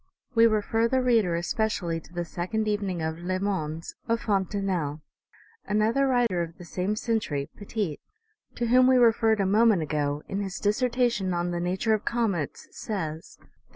We refer the reader, especially, to the second evening of L,es Mondes of Fontenelle. Another writer of the same century, Petit, to whom we referred a moment ago, in his Dissertation on the Nature of Comets says, that OMEGA.